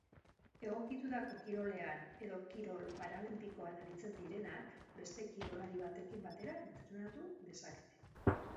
Egokitutako kirolean edo kirol paralinpikoan aritzen direnak beste kirolari batekin batera entrenatu dezakete.